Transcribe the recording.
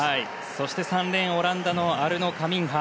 そして３レーンオランダのアルノ・カミンハ。